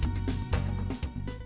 xin cảm ơn